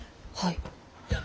はい。